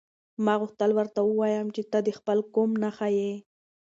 ما غوښتل ورته ووایم چې ته د خپل قوم نښه یې.